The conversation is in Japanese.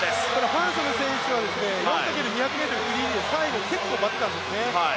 ファン・ソヌ選手は４×２００ｍフリーリレー、最後、結構待ったんですね。